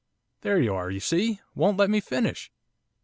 There you are, you see, won't let me finish!